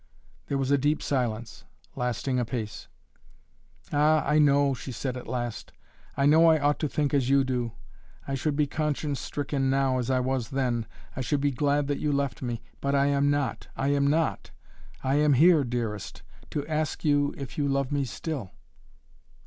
There was a deep silence, lasting apace. "Ah, I know," she said at last. "I know I ought to think as you do. I should be conscience stricken now, as I was then. I should be glad that you left me. But I am not I am not. I am here, dearest, to ask you if you love me still?"